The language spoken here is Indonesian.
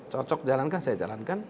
cocok jalankan saya jalankan